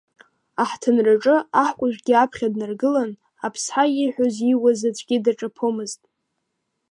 Аҳҭынраҿы, аҳкәыжәгьы аԥхьа днаргылан, Аԥсҳа ииҳәоз-ииуаз аӡәгьы даҿаԥомызт.